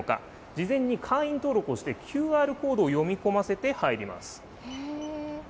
事前に会員登録をして、ＱＲコードを読み込ませて入ります。